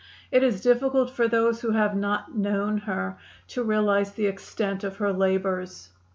It is difficult for those who have not known her to realize the extent of her labors.